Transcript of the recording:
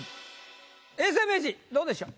永世名人どうでしょう？